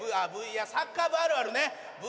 サッカー部あるあるね。